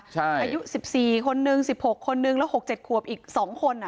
ใช่อายุสิบสี่คนหนึ่งสิบหกคนหนึ่งแล้วหกเจ็ดขวบอีกสองคนอ่ะ